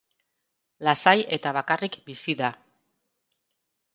Lasai eta bakarrik bizi da.